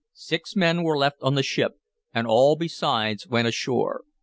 Six men were left on the ship, and all besides went ashore.